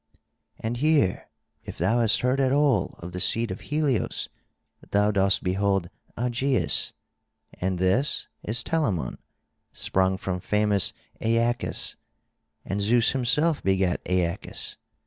And here, if thou hast heard at all of the seed of Helios, thou dost behold Augeias; and this is Telamon sprung from famous Aeacus; and Zeus himself begat Aeacus.